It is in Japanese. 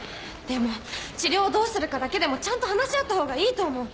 でも治療をどうするかだけでもちゃんと話し合った方がいいと思う。